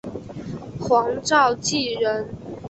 黄兆晋人。